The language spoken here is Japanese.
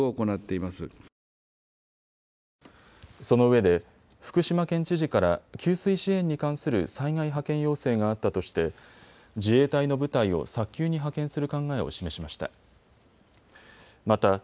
そのうえで福島県知事から給水支援に関する災害派遣要請があったとして自衛隊の部隊を早急に派遣する考えを示しました。